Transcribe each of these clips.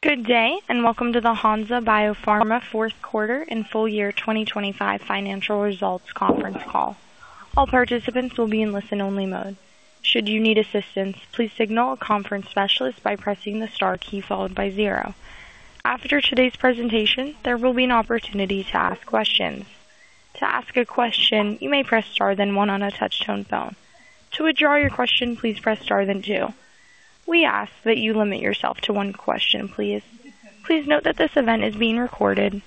Good day and welcome to the Hansa Biopharma fourth quarter and full year 2025 financial results conference call. All participants will be in listen-only mode. Should you need assistance, please signal a conference specialist by pressing the star key followed by zero. After today's presentation, there will be an opportunity to ask questions. To ask a question, you may press star then one on a touch-tone phone. To withdraw your question, please press star then two. We ask that you limit yourself to one question, please. Please note that this event is being recorded.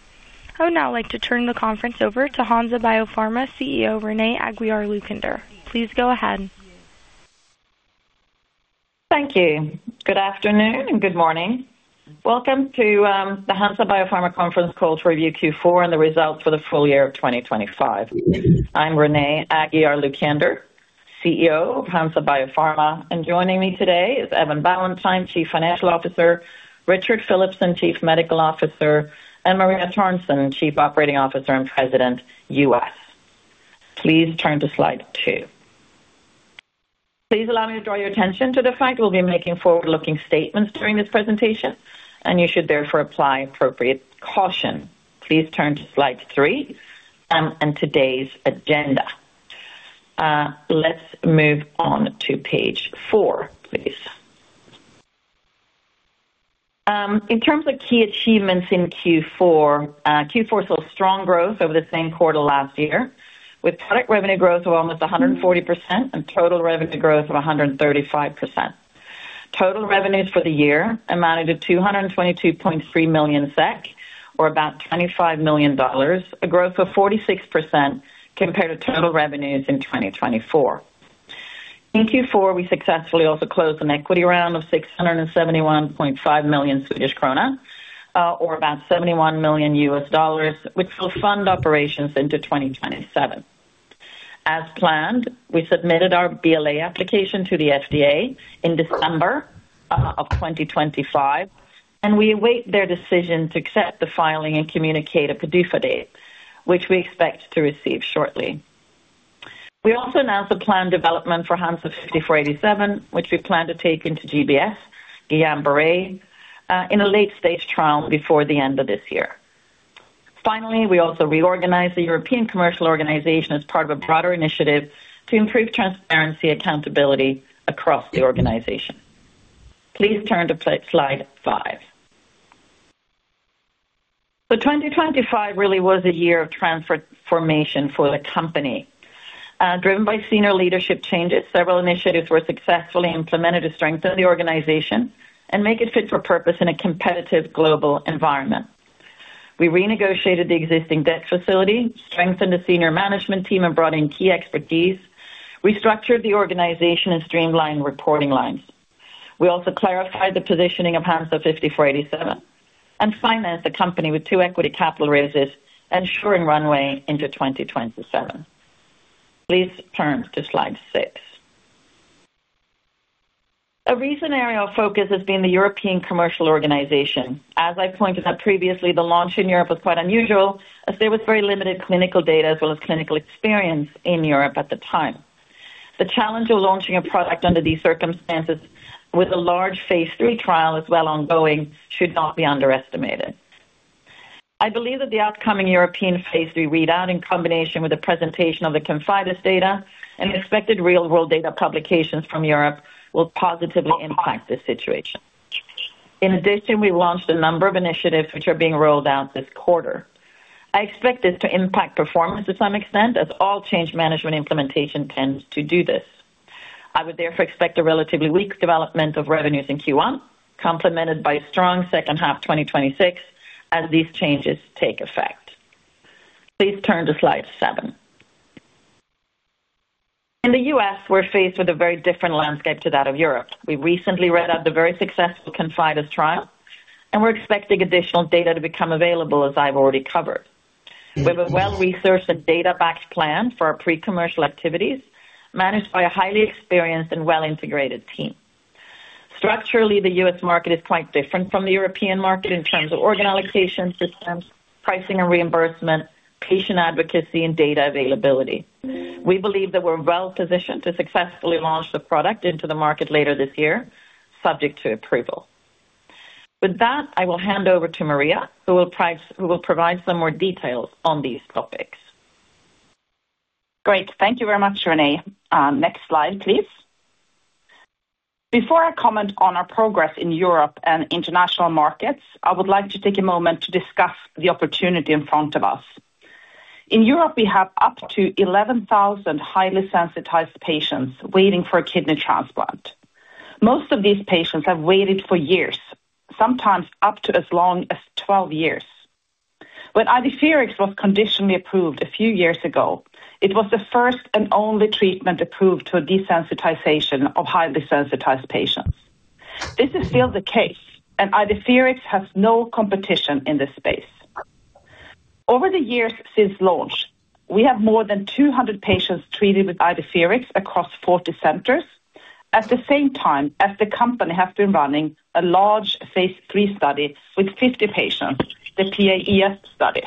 I would now like to turn the conference over to Hansa Biopharma CEO, Renée Aguiar-Lucander. Please go ahead. Thank you. Good afternoon and good morning. Welcome to the Hansa Biopharma conference call to review Q4 and the results for the full year of 2025. I'm Renée Aguiar-Lucander, CEO of Hansa Biopharma, and joining me today is Evan Ballantyne, Chief Financial Officer, Richard Philipson, Chief Medical Officer, and Maria Törnsén, Chief Operating Officer and President, U.S. Please turn to slide two. Please allow me to draw your attention to the fact we'll be making forward-looking statements during this presentation, and you should therefore apply appropriate caution. Please turn to slide three, and today's agenda. Let's move on to page four, please. In terms of key achievements in Q4, Q4 saw strong growth over the same quarter last year, with product revenue growth of almost 140% and total revenue growth of 135%. Total revenues for the year amounted to 222.3 million SEK, or about $25 million, a growth of 46% compared to total revenues in 2024. In Q4, we successfully also closed an equity round of 671.5 million Swedish krona, or about $71 million, which will fund operations into 2027. As planned, we submitted our BLA application to the FDA in December 2025, and we await their decision to accept the filing and communicate a PDUFA date, which we expect to receive shortly. We also announced a planned development for HNSA-5487, which we plan to take into GBS, Guillain-Barré, in a late-stage trial before the end of this year. Finally, we also reorganized the European Commercial Organization as part of a broader initiative to improve transparency and accountability across the organization. Please turn to slide five. So 2025 really was a year of transformation for the company, driven by senior leadership changes, several initiatives were successfully implemented to strengthen the organization and make it fit for purpose in a competitive global environment. We renegotiated the existing debt facility, strengthened the senior management team, and brought in key expertise. We structured the organization and streamlined reporting lines. We also clarified the positioning of HNSA-5487 and financed the company with two equity capital raises, ensuring runway into 2027. Please turn to slide six. A recent area of focus has been the European Commercial Organization. As I pointed out previously, the launch in Europe was quite unusual, as there was very limited clinical data as well as clinical experience in Europe at the time. The challenge of launching a product under these circumstances, with a large phase III trial as well ongoing, should not be underestimated. I believe that the upcoming European phase III readout, in combination with the presentation of the ConfIdeS data and expected real-world data publications from Europe, will positively impact this situation. In addition, we launched a number of initiatives which are being rolled out this quarter. I expect this to impact performance to some extent, as all change management implementation tends to do this. I would therefore expect a relatively weak development of revenues in Q1, complemented by strong second half 2026 as these changes take effect. Please turn to slide seven. In the U.S., we're faced with a very different landscape to that of Europe. We recently read out the very successful ConfIdeS trial, and we're expecting additional data to become available, as I've already covered. We have a well-researched and data-backed plan for our pre-commercial activities managed by a highly experienced and well-integrated team. Structurally, the U.S. Market is quite different from the European market in terms of organization systems, pricing and reimbursement, patient advocacy, and data availability. We believe that we're well-positioned to successfully launch the product into the market later this year, subject to approval. With that, I will hand over to Maria, who will provide some more details on these topics. Great. Thank you very much, Renée. Next slide, please. Before I comment on our progress in Europe and international markets, I would like to take a moment to discuss the opportunity in front of us. In Europe, we have up to 11,000 highly sensitized patients waiting for a kidney transplant. Most of these patients have waited for years, sometimes up to as long as 12 years. When Idefirix was conditionally approved a few years ago, it was the first and only treatment approved to a desensitization of highly sensitized patients. This is still the case, and Idefirix has no competition in this space. Over the years since launch, we have more than 200 patients treated with Idefirix across 40 centers, at the same time as the company has been running a large phase III study with 50 patients, the PAES study.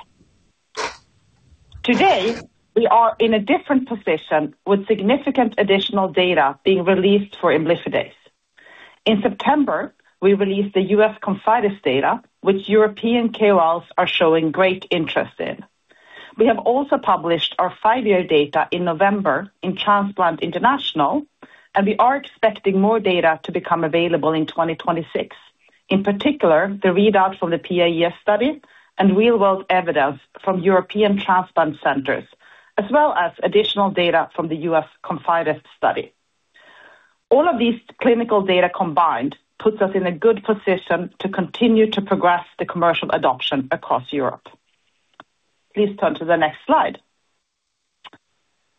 Today, we are in a different position with significant additional data being released for imlifidase. In September, we released the U.S. ConfIdeS data, which European KOLs are showing great interest in. We have also published our five-year data in November in Transplant International, and we are expecting more data to become available in 2026, in particular the readout from the PAES study and real-world evidence from European transplant centers, as well as additional data from the U.S. ConfIdeS study. All of these clinical data combined puts us in a good position to continue to progress the commercial adoption across Europe. Please turn to the next slide.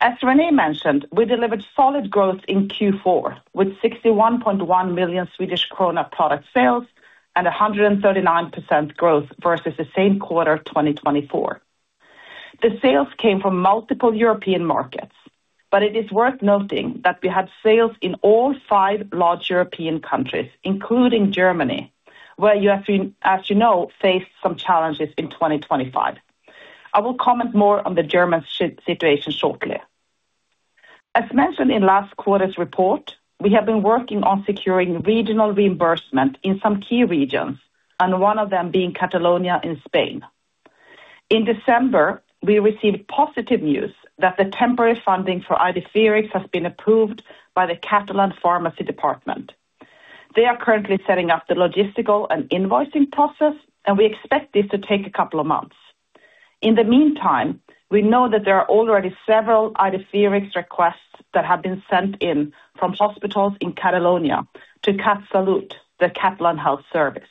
As Renée mentioned, we delivered solid growth in Q4 with 61.1 million Swedish krona product sales and 139% growth versus the same quarter 2024. The sales came from multiple European markets, but it is worth noting that we had sales in all five large European countries, including Germany, where you have, as you know, faced some challenges in 2025. I will comment more on the German situation shortly. As mentioned in last quarter's report, we have been working on securing regional reimbursement in some key regions, and one of them being Catalonia in Spain. In December, we received positive news that the temporary funding for Idefirix has been approved by the Catalan Pharmacy Department. They are currently setting up the logistical and invoicing process, and we expect this to take a couple of months. In the meantime, we know that there are already several Idefirix requests that have been sent in from hospitals in Catalonia to CatSalut, the Catalan Health Service.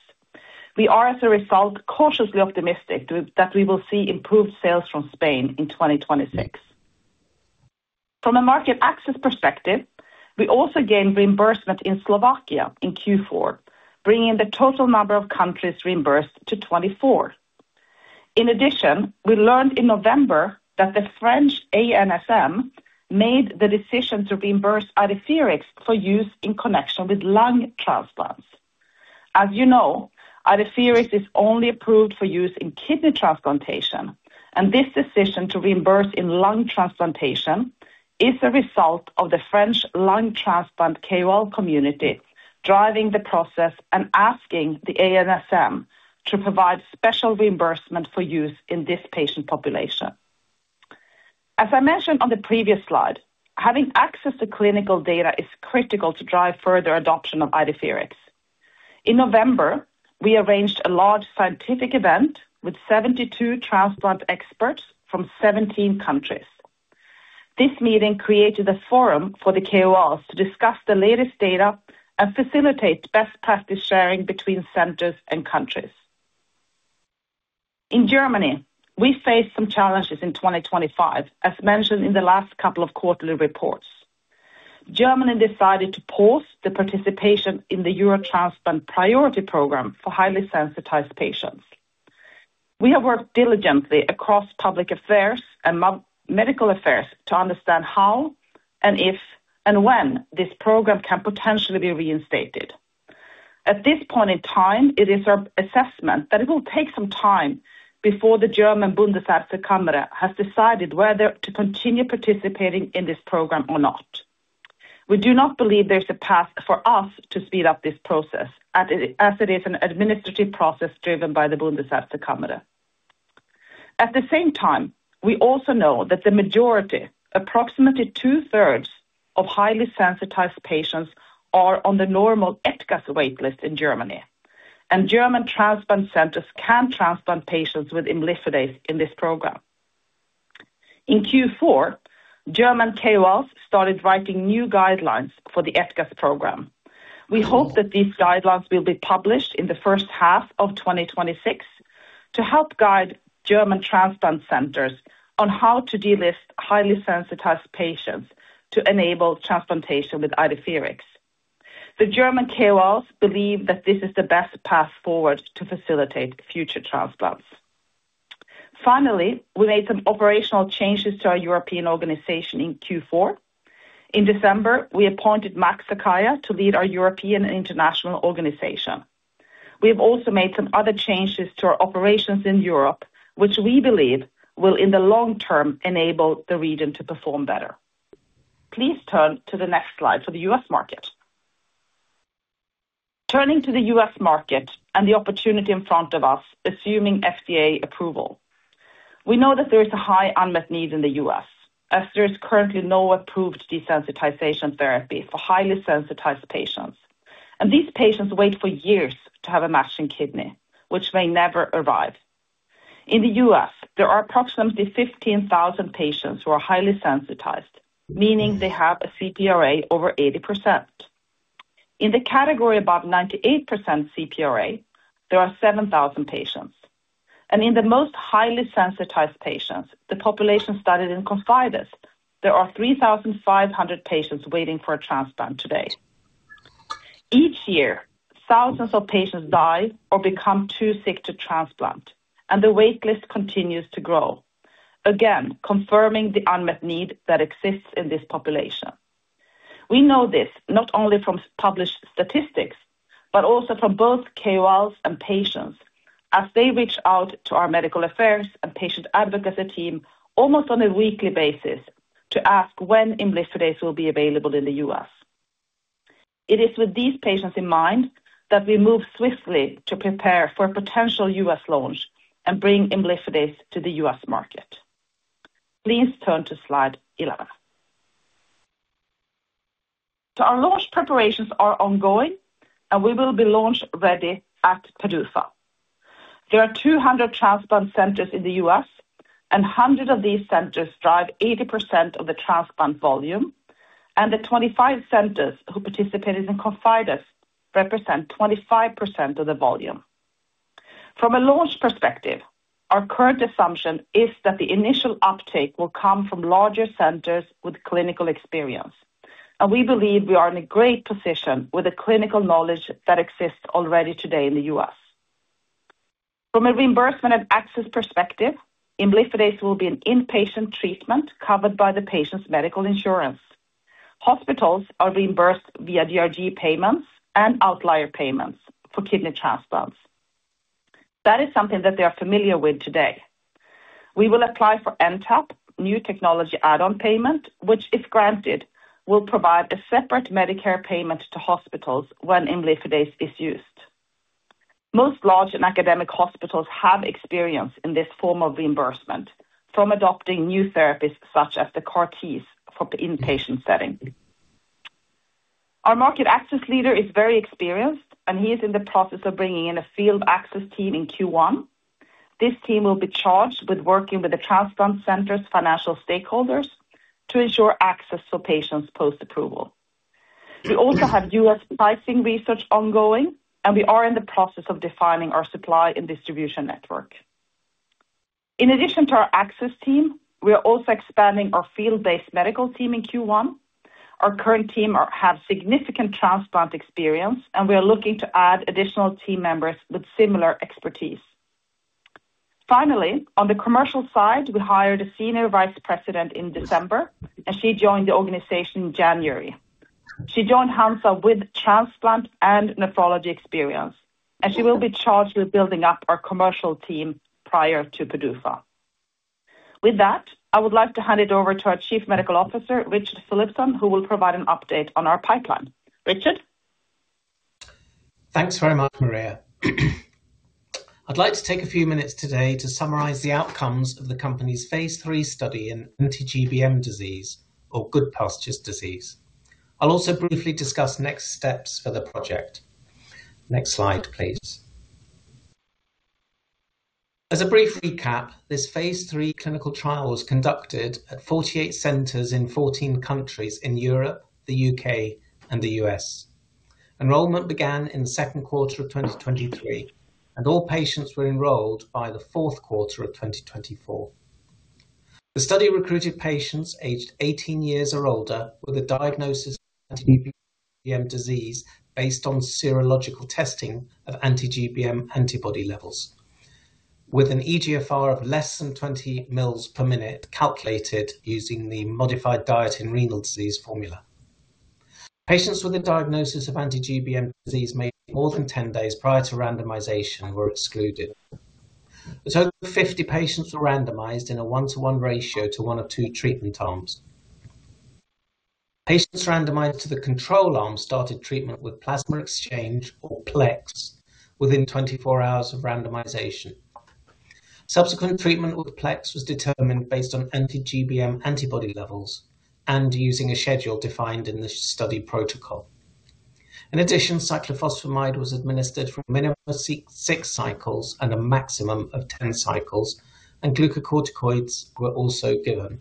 We are, as a result, cautiously optimistic that we will see improved sales from Spain in 2026. From a market access perspective, we also gained reimbursement in Slovakia in Q4, bringing the total number of countries reimbursed to 24. In addition, we learned in November that the French ANSM made the decision to reimburse Idefirix for use in connection with lung transplants. As you know, Idefirix is only approved for use in kidney transplantation, and this decision to reimburse in lung transplantation is a result of the French lung transplant KOL community driving the process and asking the ANSM to provide special reimbursement for use in this patient population. As I mentioned on the previous slide, having access to clinical data is critical to drive further adoption of Idefirix. In November, we arranged a large scientific event with 72 transplant experts from 17 countries. This meeting created a forum for the KOLs to discuss the latest data and facilitate best practice sharing between centers and countries. In Germany, we faced some challenges in 2025, as mentioned in the last couple of quarterly reports. Germany decided to pause the participation in the Eurotransplant Priority Program for highly sensitized patients. We have worked diligently across public affairs and our medical affairs to understand how, and if, and when this program can potentially be reinstated. At this point in time, it is our assessment that it will take some time before the German Bundesärztekammer has decided whether to continue participating in this program or not. We do not believe there's a path for us to speed up this process, as it is an administrative process driven by the Bundesärztekammer. At the same time, we also know that the majority, approximately two-thirds of highly sensitized patients, are on the normal ETKAS waitlist in Germany, and German transplant centers can transplant patients with imlifidase in this program. In Q4, German KOLs started writing new guidelines for the ETKAS program. We hope that these guidelines will be published in the first half of 2026 to help guide German transplant centers on how to delist highly sensitized patients to enable transplantation with Idefirix. The German KOLs believe that this is the best path forward to facilitate future transplants. Finally, we made some operational changes to our European organization in Q4. In December, we appointed Max Sakajja to lead our European and international organization. We have also made some other changes to our operations in Europe, which we believe will, in the long term, enable the region to perform better. Please turn to the next slide for the U.S. market. Turning to the U.S. market and the opportunity in front of us, assuming FDA approval. We know that there is a high unmet need in the U.S., as there is currently no approved desensitization therapy for highly sensitized patients, and these patients wait for years to have a matching kidney, which may never arrive. In the U.S., there are approximately 15,000 patients who are highly sensitized, meaning they have a CPRA over 80%. In the category above 98% CPRA, there are 7,000 patients. In the most highly sensitized patients, the population studied in ConfIdeS, there are 3,500 patients waiting for a transplant today. Each year, thousands of patients die or become too sick to transplant, and the waitlist continues to grow, again confirming the unmet need that exists in this population. We know this not only from published statistics, but also from both KOLs and patients, as they reach out to our medical affairs and patient advocacy team almost on a weekly basis to ask when imlifidase will be available in the U.S. It is with these patients in mind that we move swiftly to prepare for a potential U.S. launch and bring imlifidase to the U.S. market. Please turn to slide 11. Our launch preparations are ongoing, and we will be launch-ready at PDUFA. There are 200 transplant centers in the U.S., and 100 of these centers drive 80% of the transplant volume, and the 25 centers who participate in ConfIdeS represent 25% of the volume. From a launch perspective, our current assumption is that the initial uptake will come from larger centers with clinical experience, and we believe we are in a great position with the clinical knowledge that exists already today in the U.S. From a reimbursement and access perspective, imlifidase will be an inpatient treatment covered by the patient's medical insurance. Hospitals are reimbursed via DRG payments and outlier payments for kidney transplants. That is something that they are familiar with today. We will apply for NTAP, new technology add-on payment, which, if granted, will provide a separate Medicare payment to hospitals when imlifidase is used. Most large and academic hospitals have experience in this form of reimbursement, from adopting new therapies such as the CAR Ts for the inpatient setting. Our market access leader is very experienced, and he is in the process of bringing in a field access team in Q1. This team will be charged with working with the transplant center's financial stakeholders to ensure access to patients post-approval. We also have U.S. pricing research ongoing, and we are in the process of defining our supply and distribution network. In addition to our access team, we are also expanding our field-based medical team in Q1. Our current team has significant transplant experience, and we are looking to add additional team members with similar expertise. Finally, on the commercial side, we hired a senior vice president in December, and she joined the organization in January. She joined Hansa with transplant and nephrology experience, and she will be charged with building up our commercial team prior to PDUFA. With that, I would like to hand it over to our Chief Medical Officer, Richard Philipson, who will provide an update on our pipeline. Richard? Thanks very much, Maria. I'd like to take a few minutes today to summarize the outcomes of the company's phase III study in anti-GBM disease, or Goodpasture disease. I'll also briefly discuss next steps for the project. Next slide, please. As a brief recap, this phase III clinical trial was conducted at 48 centers in 14 countries in Europe, the U.K., and the U.S. Enrollment began in the second quarter of 2023, and all patients were enrolled by the fourth quarter of 2024. The study recruited patients aged 18 years or older with a diagnosis of anti-GBM disease based on serological testing of anti-GBM antibody levels, with an eGFR of less than 20 ml per minute calculated using the modified diet in renal disease formula. Patients with a diagnosis of anti-GBM disease made more than 10 days prior to randomization were excluded. A total of 50 patients were randomized in a one-to-one ratio to one of two treatment arms. Patients randomized to the control arm started treatment with plasma exchange, or PLEX, within 24 hours of randomization. Subsequent treatment with PLEX was determined based on anti-GBM antibody levels and using a schedule defined in the study protocol. In addition, cyclophosphamide was administered for a minimum of six cycles and a maximum of 10 cycles, and glucocorticoids were also given.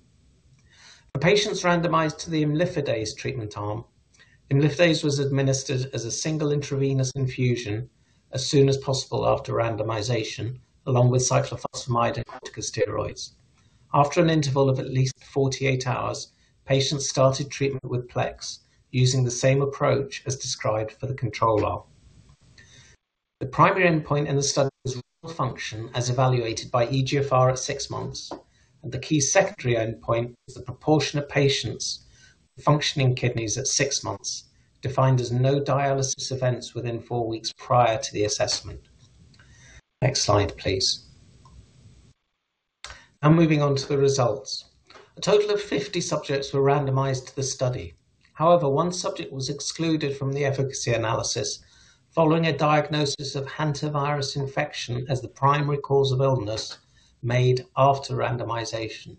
For patients randomized to the imlifidase treatment arm, imlifidase was administered as a single intravenous infusion as soon as possible after randomization, along with cyclophosphamide and corticosteroids. After an interval of at least 48 hours, patients started treatment with PLEX using the same approach as described for the control arm. The primary endpoint in the study was renal function, as evaluated by eGFR at six months, and the key secondary endpoint was the proportion of patients with functioning kidneys at six months, defined as no dialysis events within four weeks prior to the assessment. Next slide, please. Now moving on to the results. A total of 50 subjects were randomized to the study. However, one subject was excluded from the efficacy analysis following a diagnosis of hantavirus infection as the primary cause of illness made after randomization.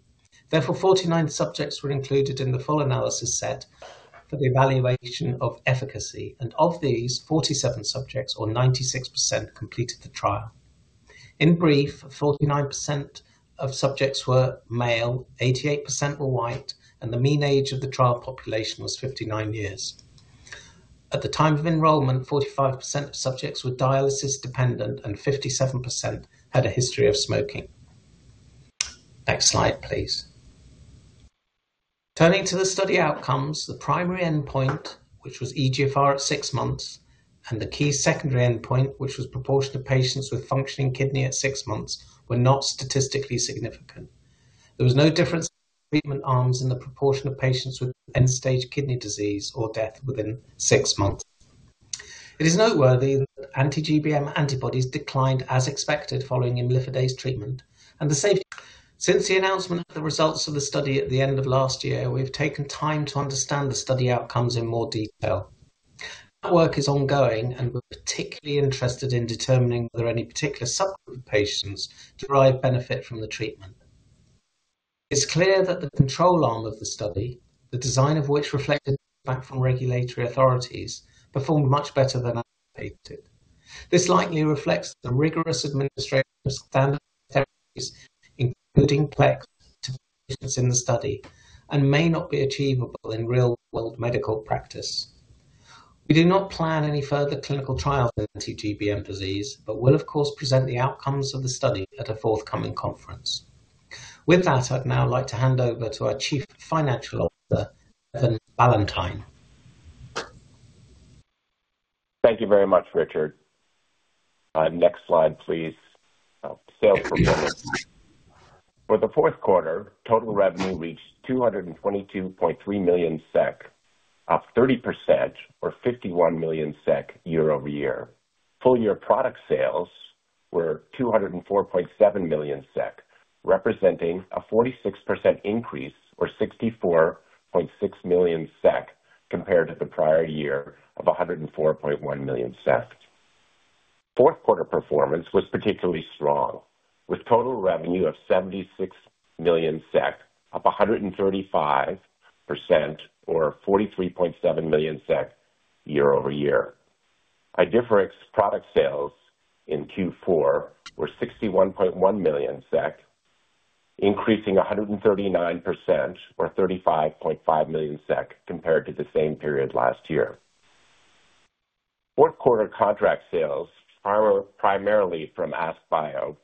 Therefore, 49 subjects were included in the full analysis set for the evaluation of efficacy, and of these, 47 subjects, or 96%, completed the trial. In brief, 49% of subjects were male, 88% were white, and the mean age of the trial population was 59 years. At the time of enrollment, 45% of subjects were dialysis dependent, and 57% had a history of smoking. Next slide, please. Turning to the study outcomes, the primary endpoint, which was eGFR at six months, and the key secondary endpoint, which was proportion of patients with functioning kidney at six months, were not statistically significant. There was no difference in treatment arms in the proportion of patients with end-stage kidney disease or death within six months. It is noteworthy that anti-GBM antibodies declined as expected following imlifidase treatment, and the safety. Since the announcement of the results of the study at the end of last year, we have taken time to understand the study outcomes in more detail. That work is ongoing, and we're particularly interested in determining whether any particular subgroup of patients derive benefit from the treatment. It's clear that the control arm of the study, the design of which reflected feedback from regulatory authorities, performed much better than anticipated. This likely reflects the rigorous administration of standardized therapies, including PLEX, to patients in the study and may not be achievable in real-world medical practice. We do not plan any further clinical trials of anti-GBM disease, but will, of course, present the outcomes of the study at a forthcoming conference. With that, I'd now like to hand over to our Chief Financial Officer, Evan Ballantyne. Thank you very much, Richard. Next slide, please. Sales performance. For the fourth quarter, total revenue reached 222.3 million SEK, up 30%, or 51 million SEK year-over-year. Full-year product sales were 204.7 million SEK, representing a 46% increase, or 64.6 million SEK, compared to the prior year of 104.1 million SEK. Fourth-quarter performance was particularly strong, with total revenue of 76 million SEK, up 135%, or 43.7 million SEK year-over-year. By difference, product sales in Q4 were 61.1 million SEK, increasing 139%, or 35.5 million SEK, compared to the same period last year. Fourth-quarter contract sales, primarily from AskBio,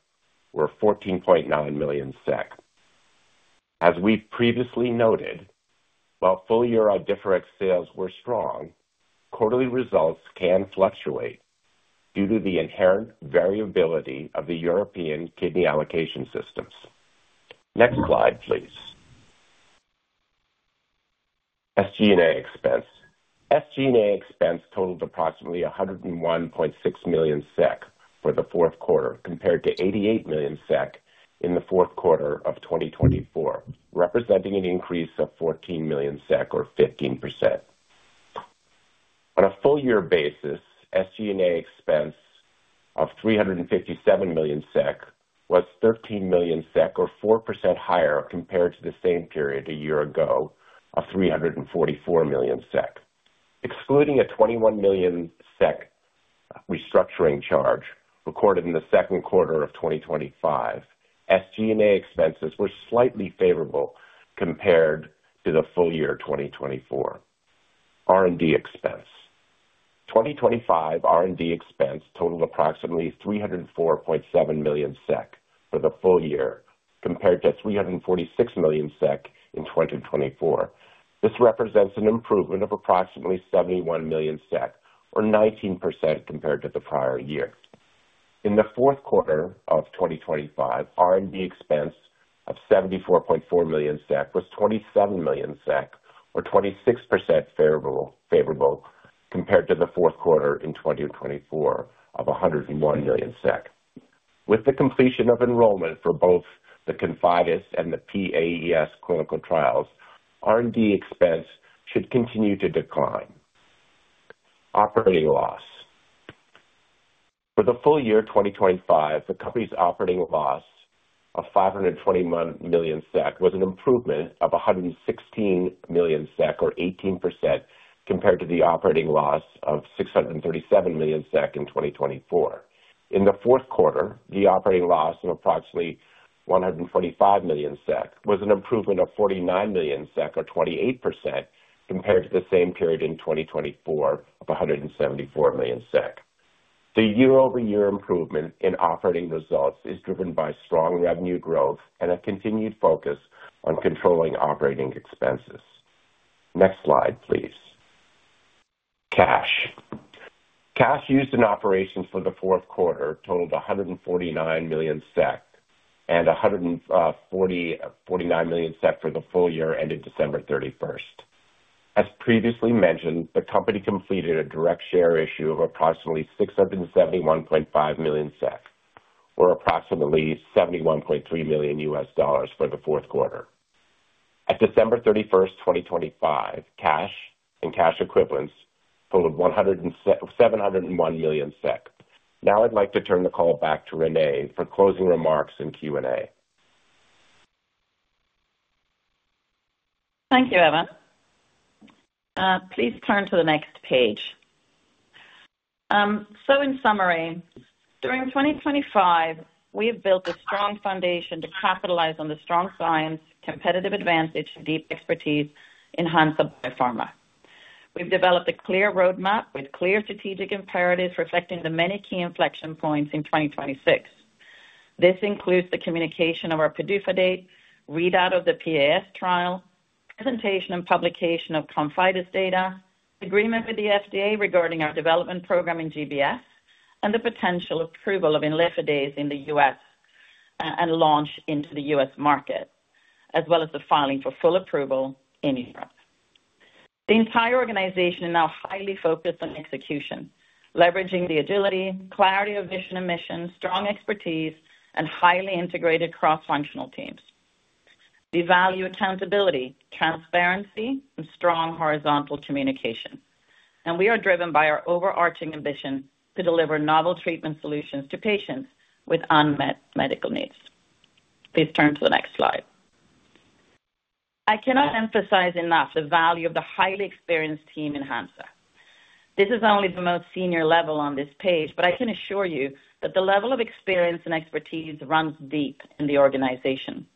were 14.9 million. As we've previously noted, while full-year our difference sales were strong, quarterly results can fluctuate due to the inherent variability of the European kidney allocation systems. Next slide, please. SG&A expense. SG&A expense totaled approximately 101.6 million SEK for the fourth quarter, compared to 88 million SEK in the fourth quarter of 2024, representing an increase of 14 million SEK, or 15%. On a full-year basis, SG&A expense of 357 million SEK was 13 million SEK, or 4% higher compared to the same period a year ago of 344 million SEK. Excluding a 21 million SEK restructuring charge recorded in the second quarter of 2025, SG&A expenses were slightly favorable compared to the full-year 2024. R&D expense. 2025 R&D expense totaled approximately 304.7 million SEK for the full year, compared to 346 million SEK in 2024. This represents an improvement of approximately 71 million SEK, or 19%, compared to the prior year. In the fourth quarter of 2025, R&D expense of 74.4 million SEK was 27 million SEK, or 26% favorable, compared to the fourth quarter in 2024 of 101 million SEK. With the completion of enrollment for both the ConfIdeS and the PAES clinical trials, R&D expense should continue to decline. Operating loss. For the full year 2025, the company's operating loss of 521 million SEK was an improvement of 116 million SEK, or 18%, compared to the operating loss of 637 million SEK in 2024. In the fourth quarter, the operating loss of approximately 125 million SEK was an improvement of 49 million SEK, or 28%, compared to the same period in 2024 of 174 million SEK. The year-over-year improvement in operating results is driven by strong revenue growth and a continued focus on controlling operating expenses. Next slide, please. Cash. Cash used in operations for the fourth quarter totaled 149 million SEK and 149 million SEK for the full year ended December 31st. As previously mentioned, the company completed a direct share issue of approximately 671.5 million SEK, or approximately $71.3 million for the fourth quarter. At December 31st, 2025, cash and cash equivalents totaled 701 million SEK. Now I'd like to turn the call back to Renée for closing remarks and Q&A. Thank you, Evan. Please turn to the next page. In summary, during 2025, we have built a strong foundation to capitalize on the strong science, competitive advantage, and deep expertise in Hansa Biopharma. We've developed a clear roadmap with clear strategic imperatives reflecting the many key inflection points in 2026. This includes the communication of our PDUFA date, readout of the PAES trial, presentation and publication of ConfIdeS data, agreement with the FDA regarding our development program in GBS, and the potential approval of imlifidase in the U.S. and launch into the U.S. market, as well as the filing for full approval in Europe. The entire organization is now highly focused on execution, leveraging the agility, clarity of vision and mission, strong expertise, and highly integrated cross-functional teams. We value accountability, transparency, and strong horizontal communication, and we are driven by our overarching ambition to deliver novel treatment solutions to patients with unmet medical needs. Please turn to the next slide. I cannot emphasize enough the value of the highly experienced team in Hansa. This is only the most senior level on this page, but I can assure you that the level of experience and expertise runs deep in the organization,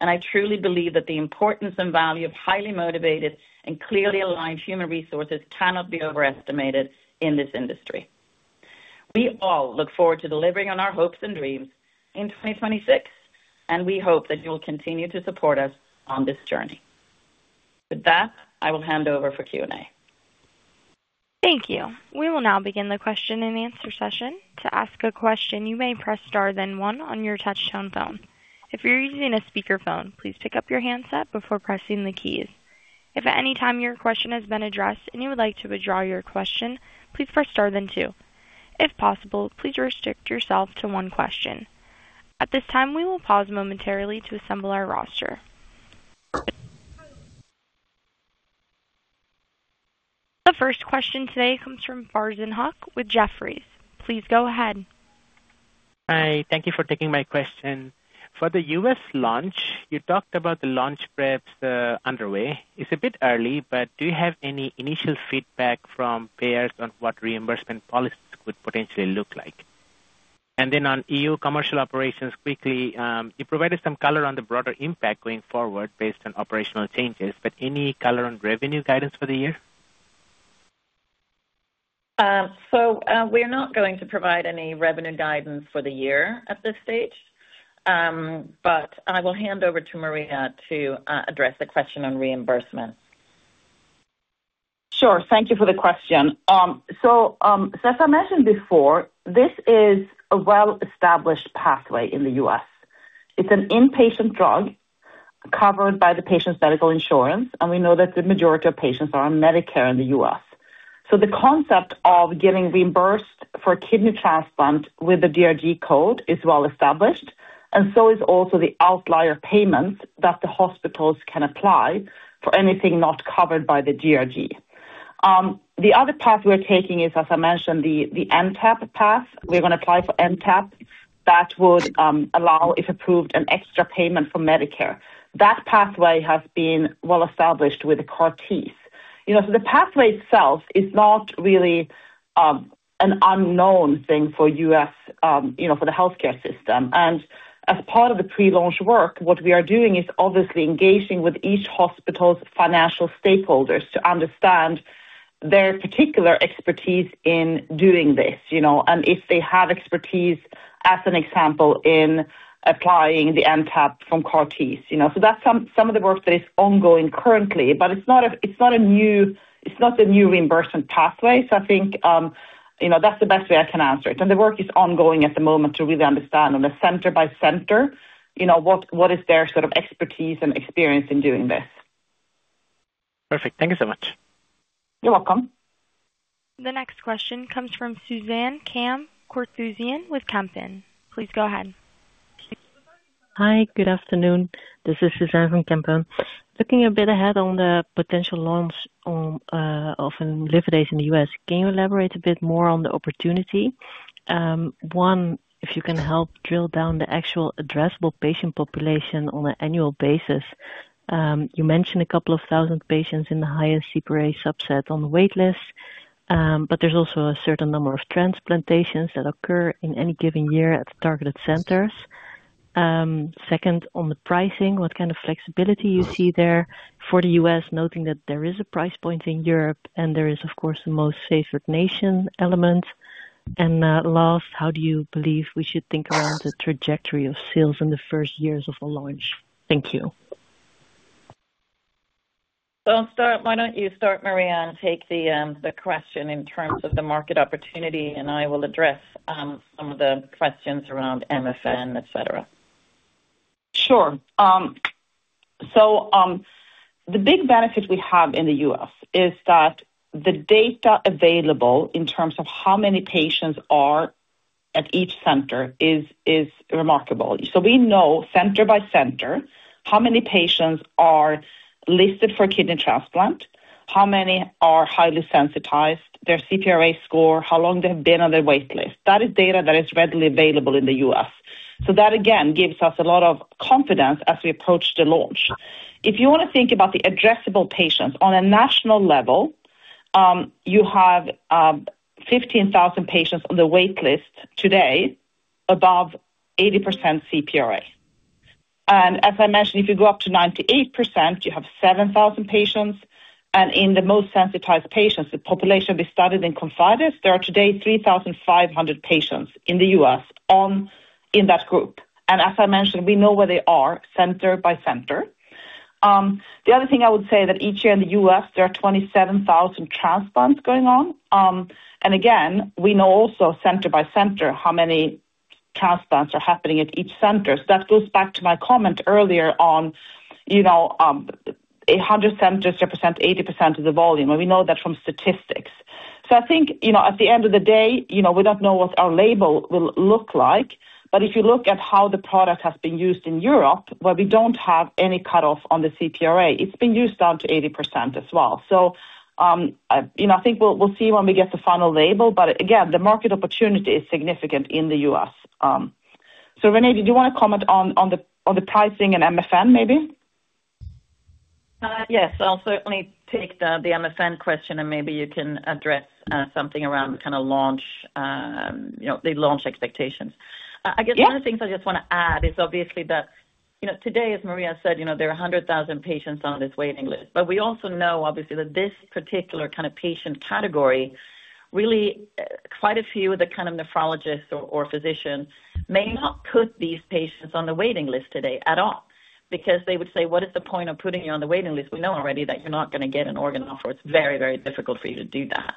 and I truly believe that the importance and value of highly motivated and clearly aligned human resources cannot be overestimated in this industry. We all look forward to delivering on our hopes and dreams in 2026, and we hope that you will continue to support us on this journey. With that, I will hand over for Q&A. Thank you. We will now begin the question-and-answer session. To ask a question, you may press star then one on your touch-tone phone. If you're using a speakerphone, please pick up your handset before pressing the keys. If at any time your question has been addressed and you would like to withdraw your question, please press star then two. If possible, please restrict yourself to one question. At this time, we will pause momentarily to assemble our roster. The first question today comes from Farzin Haque with Jefferies. Please go ahead. Hi. Thank you for taking my question. For the U.S. launch, you talked about the launch preps underway. It's a bit early, but do you have any initial feedback from payers on what reimbursement policies could potentially look like? On E.U. commercial operations, quickly, you provided some color on the broader impact going forward based on operational changes, but any color on revenue guidance for the year? We're not going to provide any revenue guidance for the year at this stage, but I will hand over to Maria to address the question on reimbursement. Sure. Thank you for the question. So, as I mentioned before, this is a well-established pathway in the U.S. It's an inpatient drug covered by the patient's medical insurance, and we know that the majority of patients are on Medicare in the U.S. So the concept of getting reimbursed for a kidney transplant with the DRG code is well-established, and so is also the outlier payments that the hospitals can apply for anything not covered by the DRG. The other path we're taking is, as I mentioned, the NTAP path. We're going to apply for NTAP. That would allow, if approved, an extra payment from Medicare. That pathway has been well-established with CAR Ts. So the pathway itself is not really an unknown thing for U.S. healthcare system. As part of the pre-launch work, what we are doing is obviously engaging with each hospital's financial stakeholders to understand their particular expertise in doing this and if they have expertise, as an example, in applying the NTAP from CAR Ts. So that's some of the work that is ongoing currently, but it's not a new reimbursement pathway, so I think that's the best way I can answer it. The work is ongoing at the moment to really understand, on a center-by-center, what is their sort of expertise and experience in doing this. Perfect. Thank you so much. You're welcome. The next question comes from Suzanne van Voorthuizen with Kempen. Please go ahead. Hi. Good afternoon. This is Suzanne from Kempen. Looking a bit ahead on the potential launch of imlifidase in the U.S., can you elaborate a bit more on the opportunity? One, if you can help drill down the actual addressable patient population on an annual basis. You mentioned a couple of thousand patients in the highest CPRA subset on the waitlist, but there's also a certain number of transplantations that occur in any given year at targeted centers. Second, on the pricing, what kind of flexibility you see there for the U.S., noting that there is a price point in Europe and there is, of course, the most favored nation element. And last, how do you believe we should think around the trajectory of sales in the first years of a launch? Thank you. So why don't you start, Maria, and take the question in terms of the market opportunity, and I will address some of the questions around MFN, etc. Sure. So the big benefit we have in the U.S. is that the data available in terms of how many patients are at each center is remarkable. So we know, center by center, how many patients are listed for kidney transplant, how many are highly sensitized, their CPRA score, how long they've been on their waitlist. That is data that is readily available in the U.S. So that, again, gives us a lot of confidence as we approach the launch. If you want to think about the addressable patients, on a national level, you have 15,000 patients on the waitlist today above 80% CPRA. And as I mentioned, if you go up to 98%, you have 7,000 patients. And in the most sensitized patients, the population we studied in ConfIdeS, there are today 3,500 patients in the U.S. in that group. As I mentioned, we know where they are center-by-center. The other thing I would say is that each year in the U.S., there are 27,000 transplants going on. Again, we know also, center-by-center, how many transplants are happening at each center. So that goes back to my comment earlier on 100 centers represent 80% of the volume, and we know that from statistics. So I think, at the end of the day, we don't know what our label will look like, but if you look at how the product has been used in Europe, where we don't have any cutoff on the CPRA, it's been used down to 80% as well. So I think we'll see when we get the final label, but again, the market opportunity is significant in the U.S. Renée, did you want to comment on the pricing and MFN, maybe? Yes. I'll certainly take the MFN question, and maybe you can address something around kind of the launch expectations. I guess one of the things I just want to add is, obviously, that today, as Maria said, there are 100,000 patients on this waiting list, but we also know, obviously, that this particular kind of patient category, really, quite a few of the kind of nephrologists or physicians may not put these patients on the waiting list today at all because they would say, "What is the point of putting you on the waiting list? We know already that you're not going to get an organ offer, or it's very, very difficult for you to do that.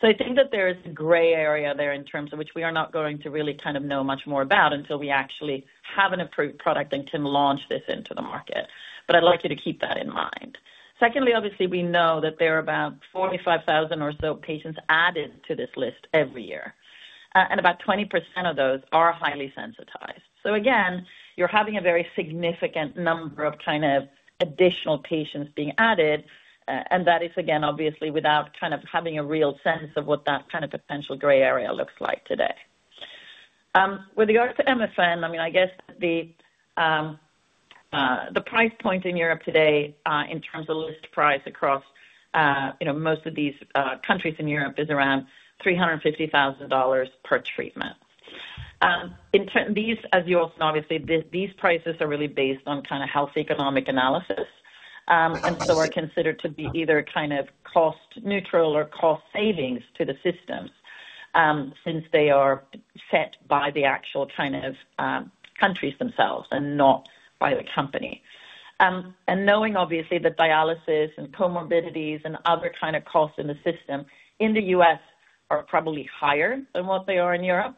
So I think that there is a gray area there in terms of which we are not going to really kind of know much more about until we actually have an approved product and can launch this into the market. But I'd like you to keep that in mind. Secondly, obviously, we know that there are about 45,000 or so patients added to this list every year, and about 20% of those are highly sensitized. So again, you're having a very significant number of kind of additional patients being added, and that is, again, obviously, without kind of having a real sense of what that kind of potential gray area looks like today. With regards to MFN, I mean, I guess the price point in Europe today, in terms of list price across most of these countries in Europe, is around $350,000 per treatment. These, as you also know, obviously, these prices are really based on kind of health economic analysis and so are considered to be either kind of cost-neutral or cost-savings to the systems since they are set by the actual kind of countries themselves and not by the company. And knowing, obviously, that dialysis and comorbidities and other kind of costs in the system in the U.S. are probably higher than what they are in Europe,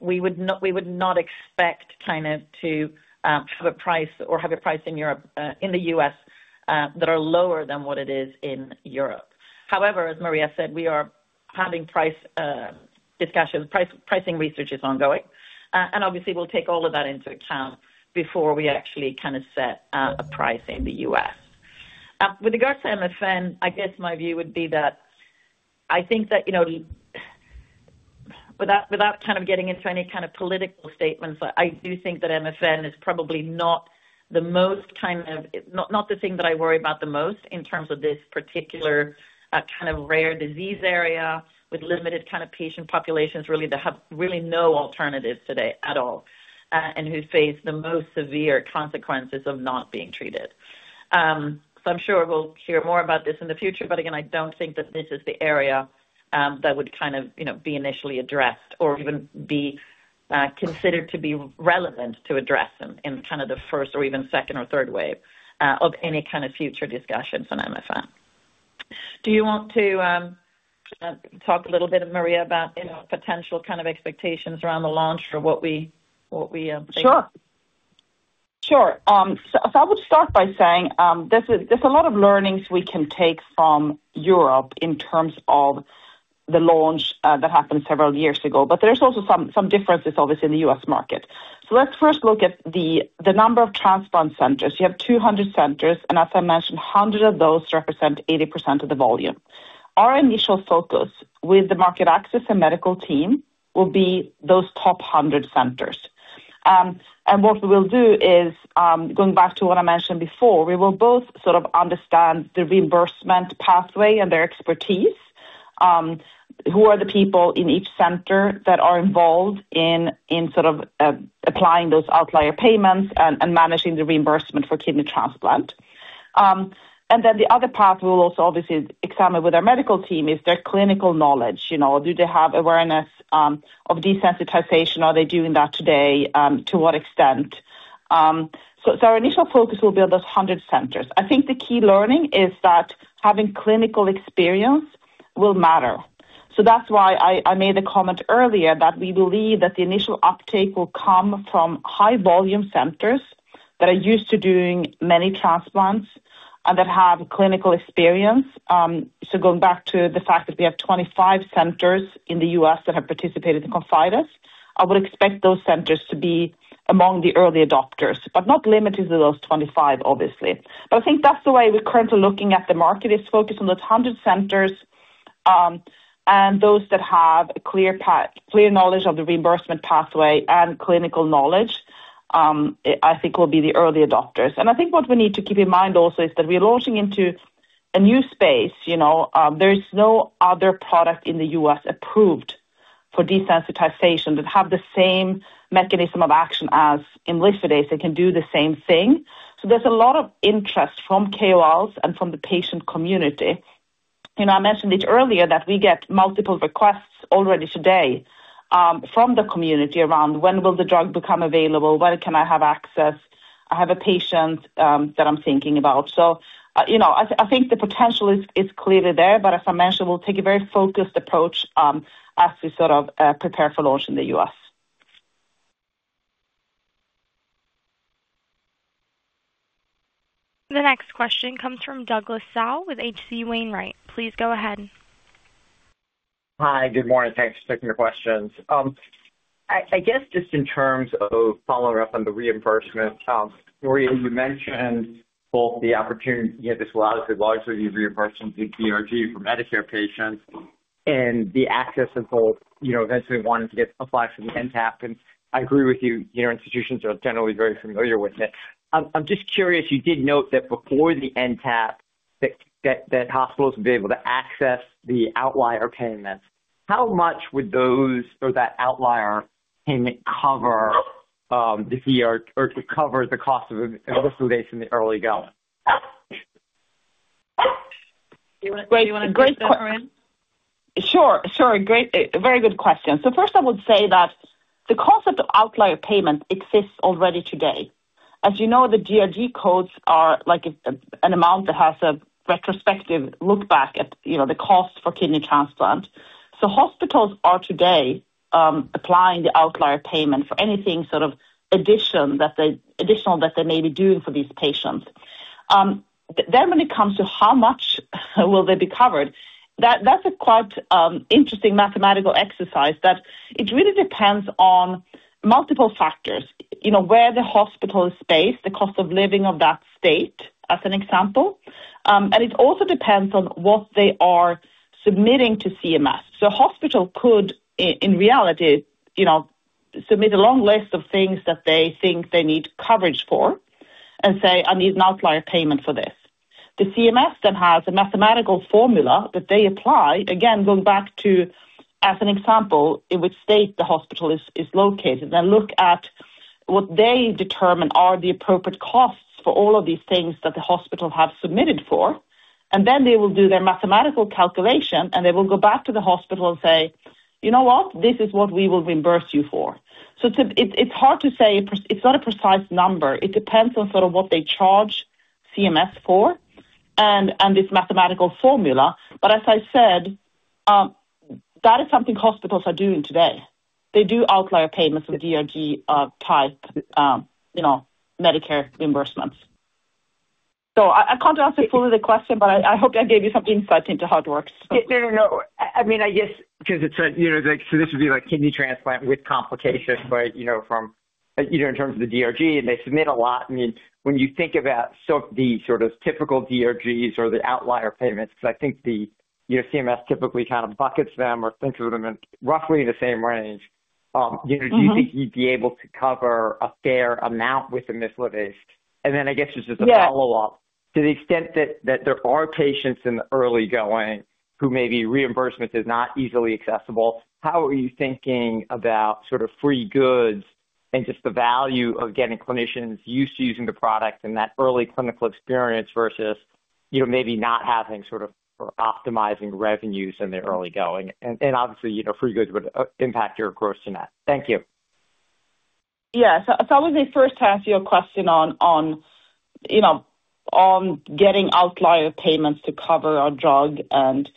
we would not expect kind of to have a price or have a price in the U.S. that are lower than what it is in Europe. However, as Maria said, we are having price discussions. Pricing research is ongoing, and obviously, we'll take all of that into account before we actually kind of set a price in the U.S. With regards to MFN, I guess my view would be that I think that without kind of getting into any kind of political statements, I do think that MFN is probably not the most kind of not the thing that I worry about the most in terms of this particular kind of rare disease area with limited kind of patient populations, really, that have really no alternatives today at all and who face the most severe consequences of not being treated. So I'm sure we'll hear more about this in the future, but again, I don't think that this is the area that would kind of be initially addressed or even be considered to be relevant to address in kind of the first or even second or third wave of any kind of future discussions on MFN. Do you want to talk a little bit, Maria, about potential kind of expectations around the launch or what we think? Sure. Sure. I would start by saying there's a lot of learnings we can take from Europe in terms of the launch that happened several years ago, but there's also some differences, obviously, in the U.S. market. Let's first look at the number of transplant centers. You have 200 centers, and as I mentioned, 100 of those represent 80% of the volume. Our initial focus with the market access and medical team will be those top 100 centers. And what we will do is, going back to what I mentioned before, we will both sort of understand the reimbursement pathway and their expertise, who are the people in each center that are involved in sort of applying those outlier payments and managing the reimbursement for kidney transplant. And then the other path we will also, obviously, examine with our medical team is their clinical knowledge. Do they have awareness of desensitization? Are they doing that today? To what extent? So our initial focus will be on those 100 centers. I think the key learning is that having clinical experience will matter. So that's why I made the comment earlier that we believe that the initial uptake will come from high-volume centers that are used to doing many transplants and that have clinical experience. So going back to the fact that we have 25 centers in the U.S. that have participated in ConfIdeS, I would expect those centers to be among the early adopters, but not limited to those 25, obviously. But I think that's the way we're currently looking at the market. It's focused on those 100 centers, and those that have clear knowledge of the reimbursement pathway and clinical knowledge, I think, will be the early adopters. I think what we need to keep in mind also is that we're launching into a new space. There is no other product in the U.S. approved for desensitization that has the same mechanism of action as imlifidase. It can do the same thing. So there's a lot of interest from KOLs and from the patient community. I mentioned it earlier that we get multiple requests already today from the community around, "When will the drug become available? When can I have access? I have a patient that I'm thinking about." So I think the potential is clearly there, but as I mentioned, we'll take a very focused approach as we sort of prepare for launch in the U.S. The next question comes from Douglas Tsao with H.C. Wainwright. Please go ahead. Hi. Good morning. Thanks for taking the questions. I guess just in terms of following up on the reimbursement, Maria, you mentioned both the opportunity this will obviously largely be reimbursement through DRG for Medicare patients and the access of both eventually wanting to apply for the NTAP. And I agree with you. Institutions are generally very familiar with it. I'm just curious. You did note that before the NTAP, that hospitals would be able to access the outlier payments. How much would that outlier payment cover to cover the cost of imlifidase in the early going? Do you want to address that, Maria? Sure. Sure. Very good question. So first, I would say that the concept of outlier payment exists already today. As you know, the DRG codes are an amount that has a retrospective lookback at the cost for kidney transplant. So hospitals are today applying the outlier payment for anything sort of additional that they may be doing for these patients. Then, when it comes to how much will they be covered, that's a quite interesting mathematical exercise that it really depends on multiple factors: where the hospital is based, the cost of living of that state, as an example, and it also depends on what they are submitting to CMS. So a hospital could, in reality, submit a long list of things that they think they need coverage for and say, "I need an outlier payment for this." The CMS then has a mathematical formula that they apply, again, going back to, as an example, in which state the hospital is located, then look at what they determine are the appropriate costs for all of these things that the hospital has submitted for. And then they will do their mathematical calculation, and they will go back to the hospital and say, "You know what? This is what we will reimburse you for." So it's hard to say. It's not a precise number. It depends on sort of what they charge CMS for and this mathematical formula. But as I said, that is something hospitals are doing today. They do outlier payments of DRG-type Medicare reimbursements. I can't answer fully the question, but I hope I gave you some insight into how it works. No, no, no. I mean, I guess. Because it's a so this would be like kidney transplant with complications from in terms of the DRG, and they submit a lot. I mean, when you think about the sort of typical DRGs or the outlier payments because I think the CMS typically kind of buckets them or thinks of them roughly in the same range, do you think you'd be able to cover a fair amount with imlifidase? And then I guess just as a follow-up, to the extent that there are patients in the early going who maybe reimbursement is not easily accessible, how are you thinking about sort of free goods and just the value of getting clinicians used to using the product and that early clinical experience versus maybe not having sort of or optimizing revenues in the early going? Obviously, free goods would impact your gross net? Thank you. Yeah. So I would say first to ask you a question on getting outlier payments to cover a drug. And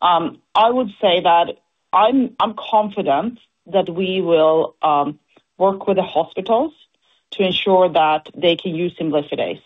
I would say that I'm confident that we will work with the hospitals to ensure that they can use imlifidase.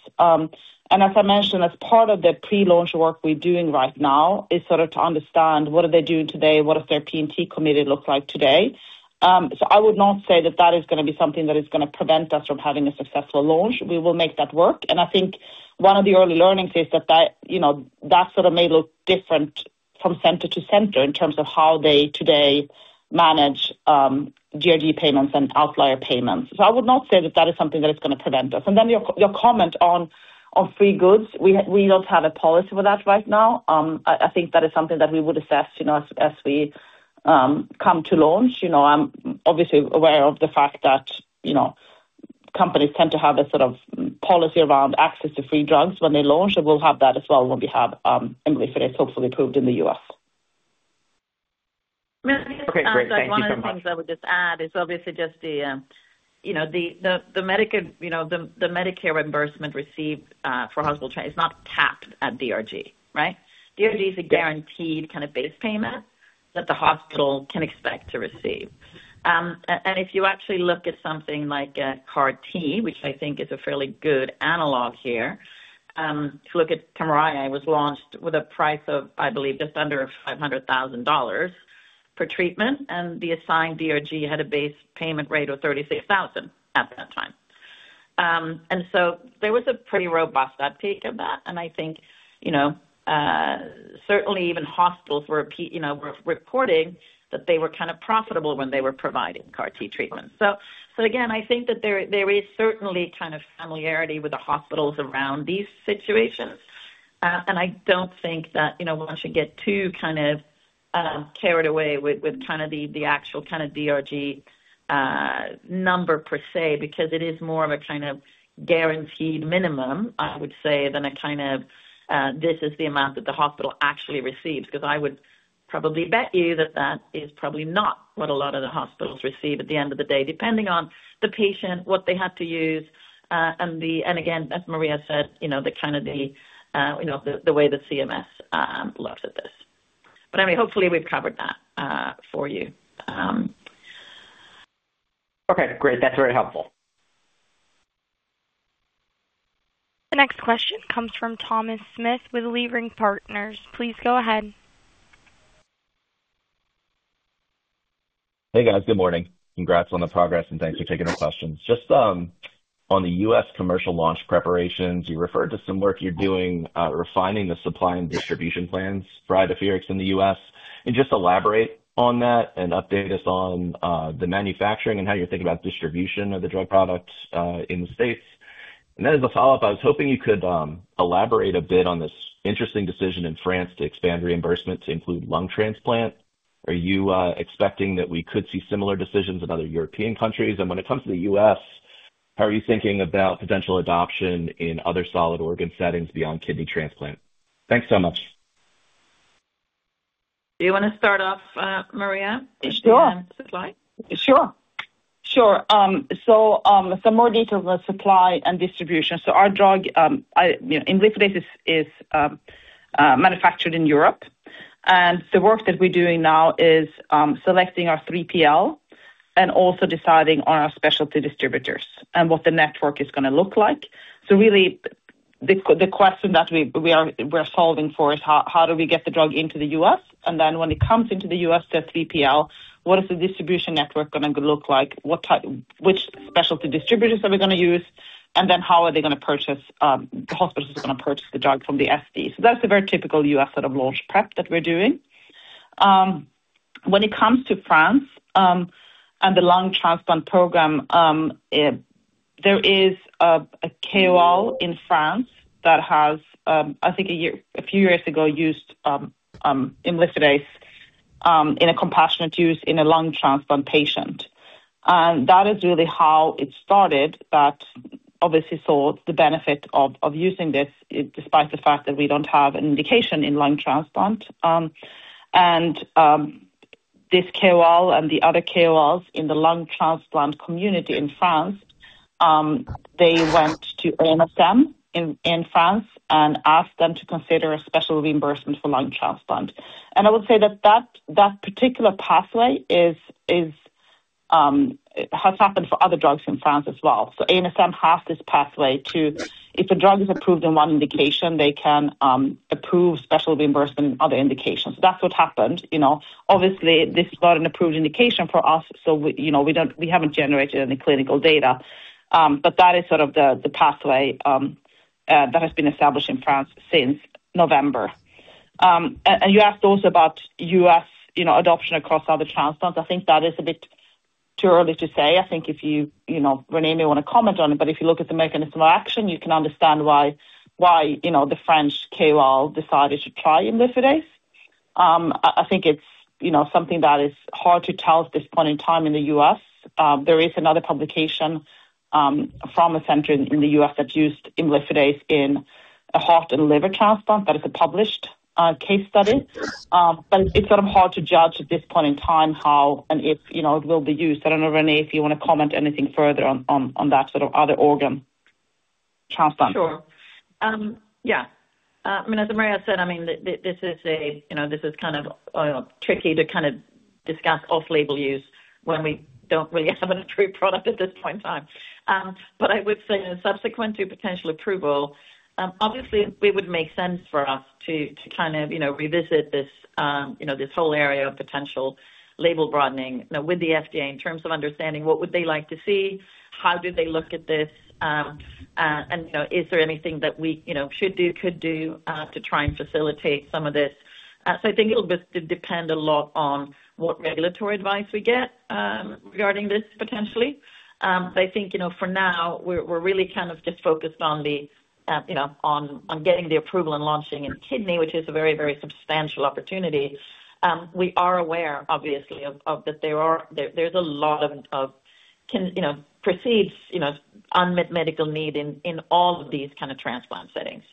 And as I mentioned, as part of the pre-launch work we're doing right now is sort of to understand what are they doing today? What does their P&T committee look like today? So I would not say that that is going to be something that is going to prevent us from having a successful launch. We will make that work. And I think one of the early learnings is that that sort of may look different from center to center in terms of how they today manage DRG payments and outlier payments. So I would not say that that is something that is going to prevent us. And then your comment on free goods, we don't have a policy for that right now. I think that is something that we would assess as we come to launch. I'm obviously aware of the fact that companies tend to have a sort of policy around access to free drugs when they launch. And we'll have that as well when we have imlifidase, hopefully, approved in the U.S. Okay. Great. Thank you so much. So one of the things I would just add is obviously just the Medicare reimbursement received for hospital treatment is not capped at DRG, right? DRG is a guaranteed kind of base payment that the hospital can expect to receive. If you actually look at something like CAR T, which I think is a fairly good analog here, if you look at Kymriah, it was launched with a price of, I believe, just under $500,000 per treatment, and the assigned DRG had a base payment rate of 36,000 at that time. And so there was a pretty robust uptake of that. And I think certainly, even hospitals were reporting that they were kind of profitable when they were providing CAR T treatments. So again, I think that there is certainly kind of familiarity with the hospitals around these situations. I don't think that one should get too kind of carried away with kind of the actual kind of DRG number per se because it is more of a kind of guaranteed minimum, I would say, than a kind of, "This is the amount that the hospital actually receives," because I would probably bet you that that is probably not what a lot of the hospitals receive at the end of the day, depending on the patient, what they have to use, and again, as Maria said, kind of the way that CMS looks at this. But I mean, hopefully, we've covered that for you. Okay. Great. That's very helpful. The next question comes from Thomas Smith with Leerink Partners. Please go ahead. Hey, guys. Good morning. Congrats on the progress, and thanks for taking our questions. Just on the U.S. commercial launch preparations, you referred to some work you're doing refining the supply and distribution plans for Idefirix in the U.S. Just elaborate on that and update us on the manufacturing and how you're thinking about distribution of the drug product in the States. Then as a follow-up, I was hoping you could elaborate a bit on this interesting decision in France to expand reimbursement to include lung transplant. Are you expecting that we could see similar decisions in other European countries? When it comes to the U.S., how are you thinking about potential adoption in other solid organ settings beyond kidney transplant? Thanks so much. Do you want to start off, Maria? Sure. Supply? Sure. Sure. So some more details on the supply and distribution. So our drug, imlifidase, is manufactured in Europe. And the work that we're doing now is selecting our 3PL and also deciding on our specialty distributors and what the network is going to look like. So really, the question that we're solving for is, how do we get the drug into the U.S.? And then when it comes into the U.S., that 3PL, what is the distribution network going to look like? Which specialty distributors are we going to use? And then how are they going to purchase? The hospitals are going to purchase the drug from the SD? So that's a very typical U.S. sort of launch prep that we're doing. When it comes to France and the lung transplant program, there is a KOL in France that has, I think, a few years ago, used imlifidase in a compassionate use in a lung transplant patient. And that is really how it started that obviously saw the benefit of using this, despite the fact that we don't have an indication in lung transplant. And this KOL and the other KOLs in the lung transplant community in France, they went to ANSM in France and asked them to consider a special reimbursement for lung transplant. And I would say that that particular pathway has happened for other drugs in France as well. So ANSM has this pathway to, if a drug is approved in one indication, they can approve special reimbursement in other indications. So that's what happened. Obviously, this is not an approved indication for us, so we haven't generated any clinical data. But that is sort of the pathway that has been established in France since November. And you asked also about U.S. adoption across other transplants. I think that is a bit too early to say. I think, Renée, maybe you want to comment on it. But if you look at the mechanism of action, you can understand why the French KOL decided to try imlifidase. I think it's something that is hard to tell at this point in time in the U.S. There is another publication from a center in the U.S. that used imlifidase in a heart and liver transplant that is a published case study. But it's sort of hard to judge at this point in time how and if it will be used. I don't know, Renée, if you want to comment anything further on that sort of other organ transplant? Sure. Yeah. I mean, as Maria said, I mean, this is kind of tricky to kind of discuss off-label use when we don't really have a true product at this point in time. But I would say, subsequent to potential approval, obviously, it would make sense for us to kind of revisit this whole area of potential label broadening with the FDA in terms of understanding what would they like to see, how do they look at this, and is there anything that we should do, could do to try and facilitate some of this? So I think it'll depend a lot on what regulatory advice we get regarding this, potentially. But I think for now, we're really kind of just focused on getting the approval and launching in kidney, which is a very, very substantial opportunity. We are aware, obviously, that there's a lot of perceived unmet medical need in all of these kind of transplant settings.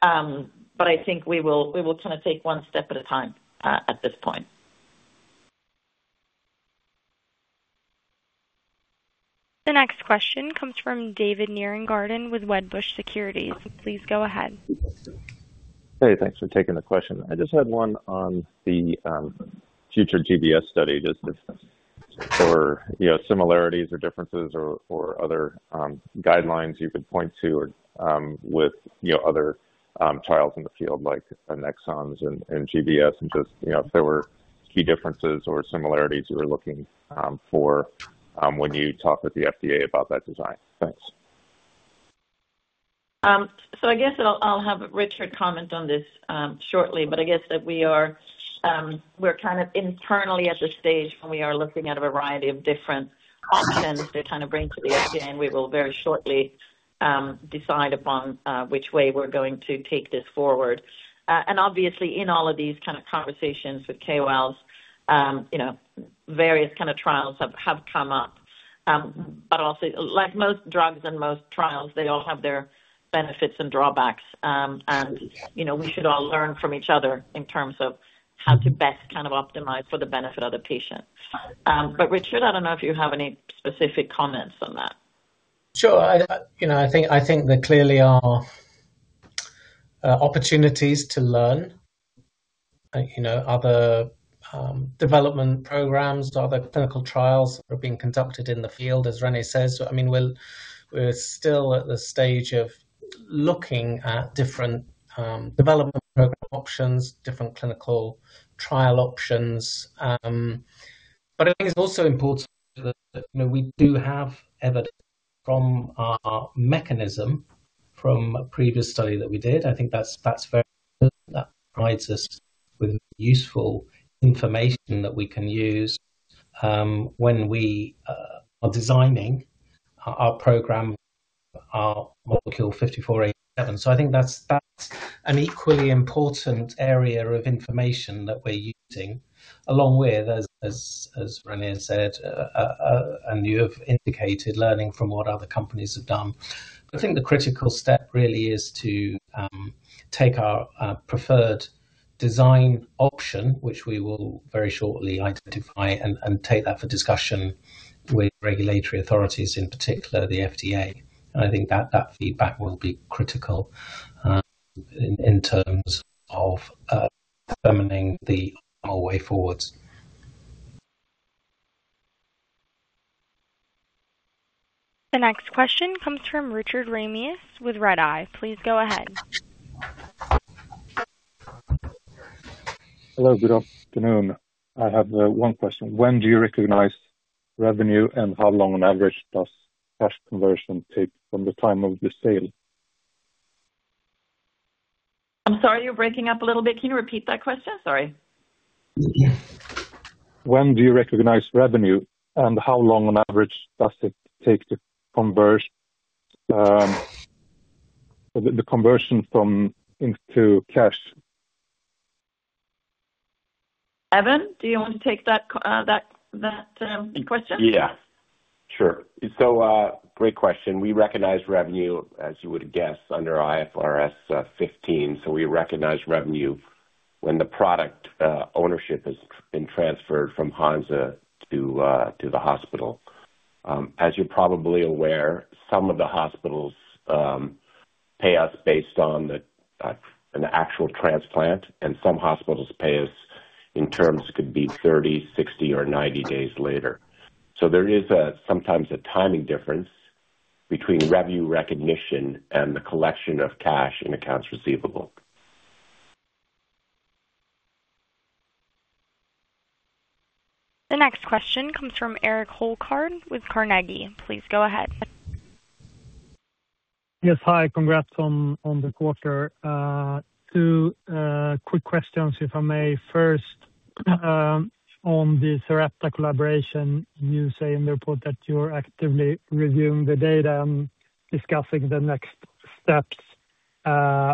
But I think we will kind of take one step at a time at this point. The next question comes from David Nierengarten with Wedbush Securities. Please go ahead. Hey, thanks for taking the question. I just had one on the future GBS study, just if there were similarities or differences or other guidelines you could point to with other trials in the field like Annexon and GBS, and just if there were key differences or similarities you were looking for when you talk with the FDA about that design? Thanks. So I guess I'll have Richard comment on this shortly. But I guess that we're kind of internally at the stage when we are looking at a variety of different options they're trying to bring to the FDA, and we will very shortly decide upon which way we're going to take this forward. And obviously, in all of these kind of conversations with KOLs, various kind of trials have come up. But also, like most drugs and most trials, they all have their benefits and drawbacks. And we should all learn from each other in terms of how to best kind of optimize for the benefit of the patient. But Richard, I don't know if you have any specific comments on that. Sure. I think there clearly are opportunities to learn, other development programs, other clinical trials that are being conducted in the field, as Renée says. I mean, we're still at the stage of looking at different development program options, different clinical trial options. But I think it's also important that we do have evidence from our mechanism from a previous study that we did. I think that's very good. That provides us with useful information that we can use when we are designing our program, our molecule 5487. So I think that's an equally important area of information that we're using, along with, as Renée said, and you have indicated, learning from what other companies have done. But I think the critical step really is to take our preferred design option, which we will very shortly identify, and take that for discussion with regulatory authorities, in particular, the FDA. I think that feedback will be critical in terms of determining the way forward. The next question comes from Richard Ramanius with Redeye. Please go ahead. Hello. Good afternoon. I have one question. When do you recognize revenue, and how long on average does cash conversion take from the time of the sale? I'm sorry. You're breaking up a little bit. Can you repeat that question? Sorry. When do you recognize revenue, and how long on average does it take to convert the conversion into cash? Evan, do you want to take that question? Yeah. Sure. So great question. We recognize revenue, as you would guess, under IFRS 15. So we recognize revenue when the product ownership has been transferred from Hansa to the hospital. As you're probably aware, some of the hospitals pay us based on an actual transplant, and some hospitals pay us in terms that could be 30, 60, or 90 days later. So there is sometimes a timing difference between revenue recognition and the collection of cash in accounts receivable. The next question comes from Erik Hultgård with Carnegie. Please go ahead. Yes. Hi. Congrats on the quarter. Two quick questions, if I may. First, on the Sarepta collaboration, you say in the report that you're actively reviewing the data and discussing the next steps.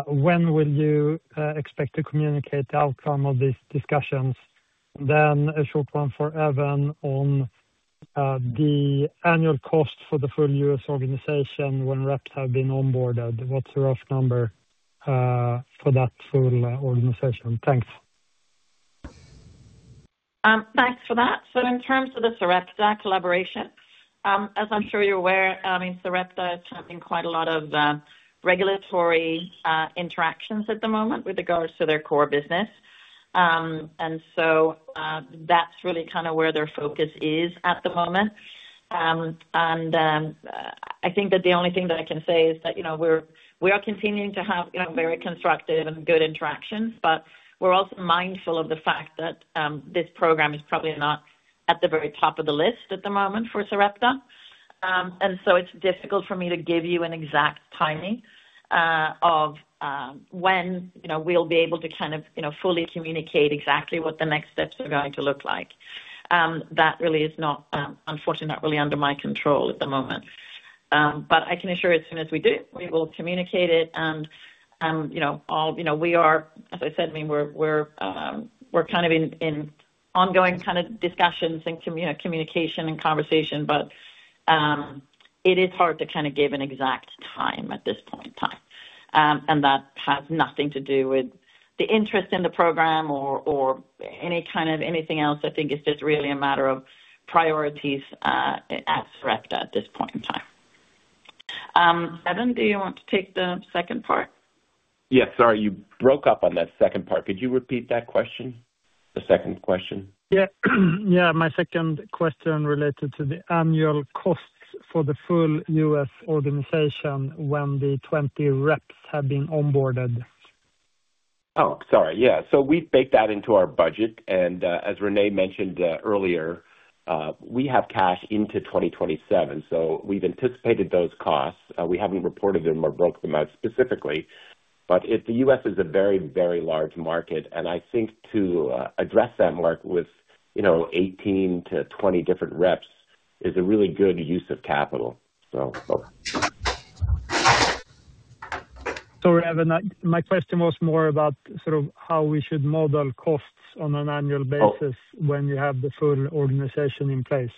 When will you expect to communicate the outcome of these discussions? Then a short one for Evan on the annual cost for the full U.S. organization when reps have been onboarded. What's the rough number for that full organization? Thanks. Thanks for that. In terms of the Sarepta collaboration, as I'm sure you're aware, I mean, Sarepta is having quite a lot of regulatory interactions at the moment with regards to their core business. That's really kind of where their focus is at the moment. I think that the only thing that I can say is that we are continuing to have very constructive and good interactions, but we're also mindful of the fact that this program is probably not at the very top of the list at the moment for Sarepta. It's difficult for me to give you an exact timing of when we'll be able to kind of fully communicate exactly what the next steps are going to look like. That really is not, unfortunately, not really under my control at the moment. But I can assure you, as soon as we do, we will communicate it. We are, as I said, I mean, we're kind of in ongoing kind of discussions and communication and conversation, but it is hard to kind of give an exact time at this point in time. That has nothing to do with the interest in the program or any kind of anything else. I think it's just really a matter of priorities at Sarepta at this point in time. Evan, do you want to take the second part? Yes. Sorry. You broke up on that second part. Could you repeat that question, the second question? Yeah. Yeah. My second question related to the annual costs for the full U.S. organization when the 20 reps have been onboarded. Oh, sorry. Yeah. So we baked that into our budget. And as Renée mentioned earlier, we have cash into 2027. So we've anticipated those costs. We haven't reported them or broke them out specifically. But the U.S. is a very, very large market. And I think to address that work with 18-20 different reps is a really good use of capital. Sorry, Evan. My question was more about sort of how we should model costs on an annual basis when you have the full organization in place.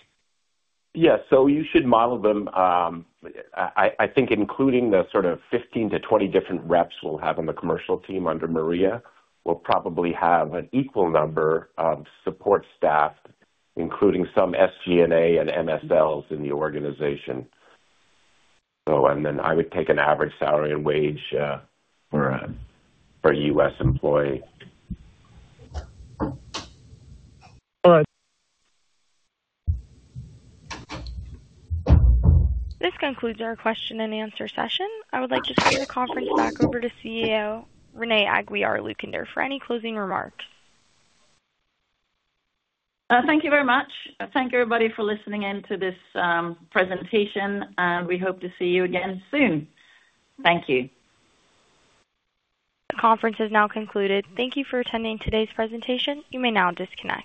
Yes. You should model them. I think including the sort of 15-20 different reps we'll have on the commercial team under Maria will probably have an equal number of support staff, including some SG&A and MSLs in the organization. Then I would take an average salary and wage for a U.S. employee. All right. This concludes our question-and-answer session. I would like to turn the conference back over to CEO Renée Aguiar-Lucander for any closing remarks. Thank you very much. Thank everybody for listening in to this presentation, and we hope to see you again soon. Thank you. The conference is now concluded. Thank you for attending today's presentation. You may now disconnect.